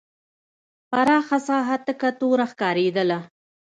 پراخه ساحه تکه توره ښکارېدله.